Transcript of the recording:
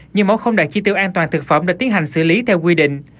nhưng mẫu không đạt chi tiêu an toàn thực phẩm đã tiến hành xử lý theo quy định